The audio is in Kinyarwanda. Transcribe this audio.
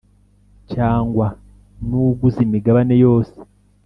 cyangwa n uguze imigabane yose